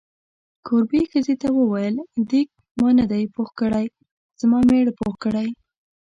کوربې ښځې ورته وویل: دیګ ما نه دی پوخ کړی، زما میړه پوخ کړی.